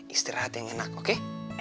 istirahat yang enak oke